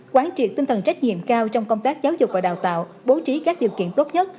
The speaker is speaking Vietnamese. quán triệt tinh thần trách nhiệm cao trong công tác giáo dục và đào tạo bố trí các điều kiện tốt nhất